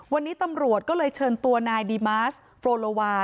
วันนี้ตำรวจก็เลยเชิญตัวนายดีมาสโฟลโลวา